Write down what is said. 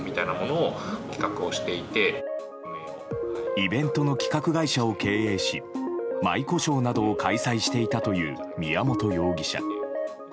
イベントの企画会社を経営し舞妓ショーなどを開催していたという宮本容疑者。